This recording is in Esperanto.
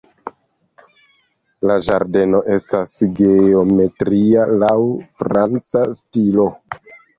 La ĝardeno estas geometria laŭ franca stilo.